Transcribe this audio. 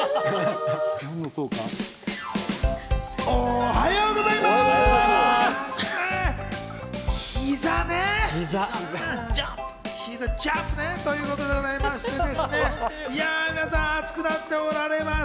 おはようございます。